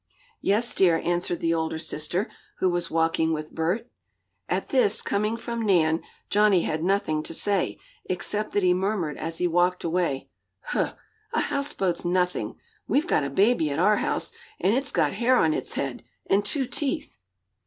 "Yes, dear," answered the older sister, who was walking with Bert. At this, coming from Nan, Johnnie had nothing to say, except that he murmured, as he walked away: "Huh! A houseboat's nothing. We've got a baby at our house, and it's got hair on its head, and two teeth!"